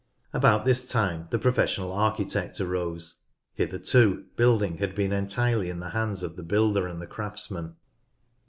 About this time the pro fessional architect arose. Hitherto, building had been entirely in the hands of the builder and the craftsman.